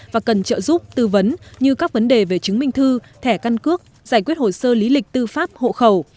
và cần trợ giúp tư vấn như các vấn đề về chứng minh thư thẻ căn cước giải quyết hồ sơ lý lịch tư pháp hộ khẩu